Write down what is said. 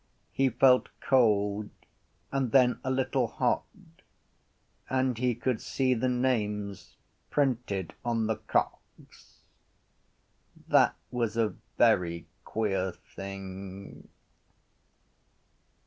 He felt cold and then a little hot: and he could see the names printed on the cocks. That was a very queer thing.